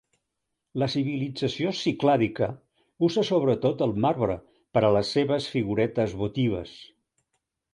La civilització ciclàdica usa sobretot el marbre per a les seves figuretes votives.